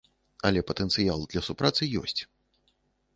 Але патэнцыял для супрацы ёсць.